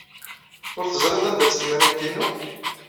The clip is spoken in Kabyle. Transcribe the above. Ur teẓriḍ anda-tt temrint-inu?